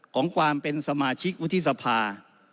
ของความเป็นสมาชิกวุฒิสภา